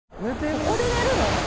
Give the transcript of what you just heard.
ここで寝るの？